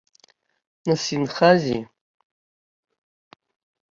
Нас инхазеи.